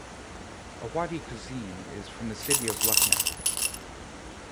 Awadhi cuisine is from the city of Lucknow.